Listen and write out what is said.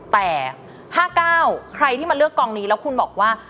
แต่๕๙ใครที่มาเลือกกองนี้แล้วคุณบอกว่า